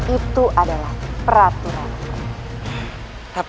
itu adalah peraturanmu